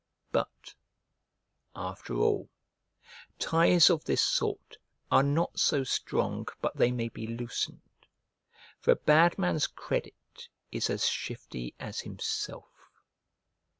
But, after all, ties of this sort are not so strong but they may be loosened; for a bad man's credit is as shifty as himself.